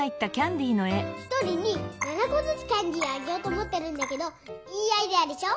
１人に７こずつキャンディーをあげようと思ってるんだけどいいアイデアでしょ。